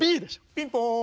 ピンポーン。